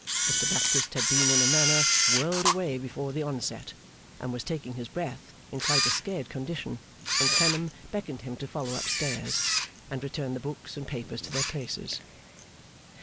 Mr Baptist had been in a manner whirled away before the onset, and was taking his breath in quite a scared condition when Clennam beckoned him to follow up stairs, and return the books and papers to their places.